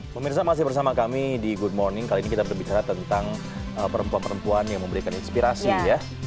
pemirsa masih bersama kami di good morning kali ini kita berbicara tentang perempuan perempuan yang memberikan inspirasi ya